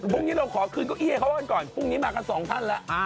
พรุ่งนี้มาคันสองท่านแล้ว